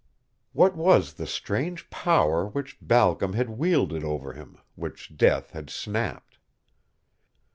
What was the strange power which Balcom had wielded over him, which death had snapped?